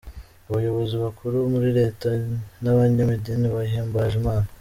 Abayobozi bakuru muri Leta n'abanyamadini bahimbaje Imana.